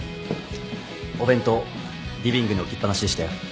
お弁当リビングに置きっぱなしでしたよ。